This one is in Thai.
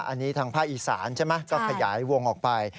อันนี้ทางภาคอีสานใช่ไหมก็ขยายวงออกไป